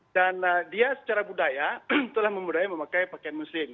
dan dia secara budaya telah memudahnya memakai pakaian muslim